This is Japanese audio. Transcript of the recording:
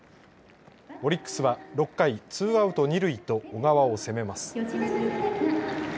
オリックスは６回ツーアウト、二塁と小川を攻めます。